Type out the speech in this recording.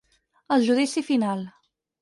El judici final.